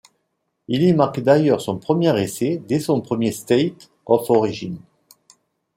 Il y marque d'ailleurs son premier essai dès son premier State of Origin.